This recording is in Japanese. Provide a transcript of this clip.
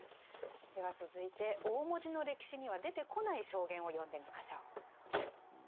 では続いて大文字の歴史には出てこない証言を読んでみましょう。